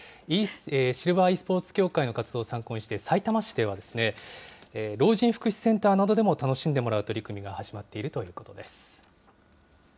シルバーｅスポーツ協会の活動を参考にして、さいたま市では、老人福祉センターなどでも楽しんでもらう取り組みが始まっているということです。